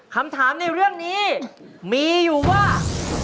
คำถามในเรื่องนี้มีอยู่ว่า